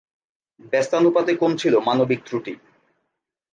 ব্যস্তানুপাতে কমছিল মানবিক ত্রুটি।